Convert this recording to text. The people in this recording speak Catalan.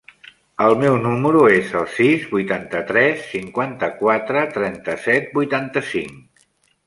El meu número es el sis, vuitanta-tres, cinquanta-quatre, trenta-set, vuitanta-cinc.